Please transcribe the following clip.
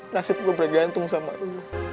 nasib gue bergantung sama aku